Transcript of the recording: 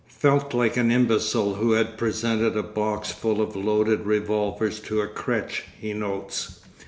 'Felt like an imbecile who has presented a box full of loaded revolvers to a Crêche,' he notes.